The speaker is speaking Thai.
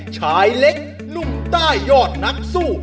ชายเล็กหนุ่มใต้ยอดนักสู้